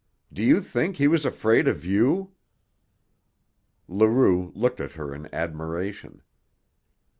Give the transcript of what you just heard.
"Do you think he was afraid of you?" Leroux looked at her in admiration.